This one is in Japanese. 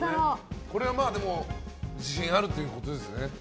これは自信あるということですね。